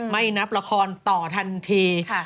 ไม่นับละครต่อทันที